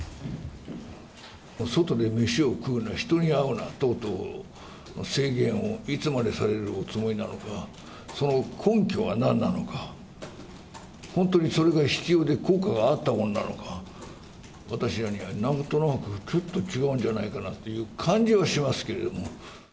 外で飯を食うな、人に会うな等々、制限をいつまでされるおつもりなのか、その根拠はなんなのか、本当にそれが必要で、効果があったものなのか、私らにはなんとなく、ちょっと違うんじゃないかなという感じはしますけども。